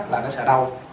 là nó sợ đau